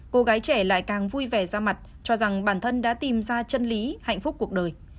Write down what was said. cô gái trẻ lại càng vui vẻ ra mặt cho rằng bản thân đã tìm ra chân lý hạnh phúc cuộc đời